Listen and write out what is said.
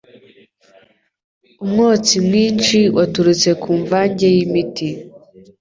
Umwotsi mwinshi waturutse kumvange yimiti